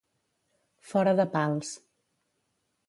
Fora de pals.